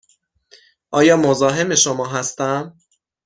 آیا مزاحم شما هستم؟